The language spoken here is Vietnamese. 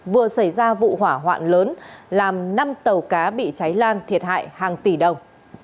vừa xảy ra vụ hỏa hoạn lớn làm năm tàu cá bị cháy lan thiệt hại hàng tỷ đồng